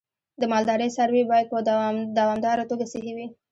د مالدارۍ څاروی باید په دوامداره توګه صحي وي.